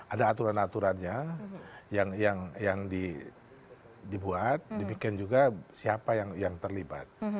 ada aturan aturannya yang dibuat demikian juga siapa yang terlibat